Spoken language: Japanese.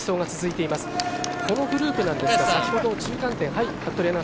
このグループなんですが先ほど中間点。